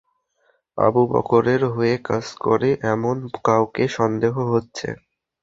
আবু বকরের হয়ে কাজ করে এমন কাউকে সন্দেহ হচ্ছে?